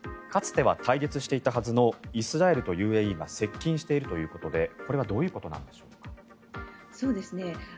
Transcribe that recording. かつては対立していたはずのイスラエルとＵＡＥが接近しているということでこれはどういうことなんでしょう。